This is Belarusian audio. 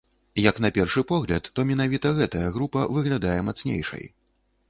Як на першы погляд, то менавіта гэтая група выглядае мацнейшай.